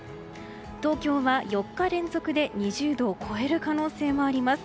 東京は、４日連続で２０度を超える可能性もあります。